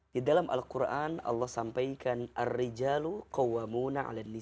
di dalam al quran allah sampaikan